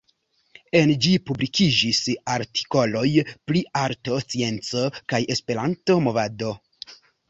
En ĝi publikiĝis artikoloj pri arto, scienco kaj esperanto-movado.